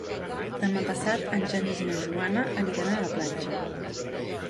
Demà passat en Genís i na Joana aniran a la platja.